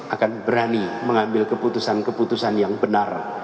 akan berani mengambil keputusan keputusan yang benar